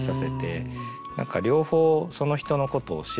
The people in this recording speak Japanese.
何か両方その人のことを知れるというか